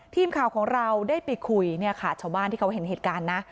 ทีมข่าวของเราได้ไปคุยเนี่ยค่ะชาวบ้านที่เขาเห็นเหตุการณ์นะ